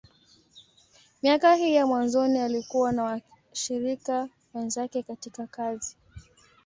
Miaka hii ya mwanzoni, alikuwa na washirika wenzake katika kazi.